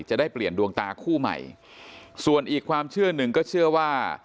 จะได้เปลี่ยนดวงตาคู่ใหม่ส่วนอีกความเชื่อหนึ่งก็เชื่อว่า